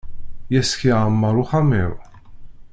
Yes-k yeɛmer uxxam-iw.